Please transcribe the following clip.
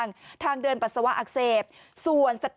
กินให้ดูเลยค่ะว่ามันปลอดภัย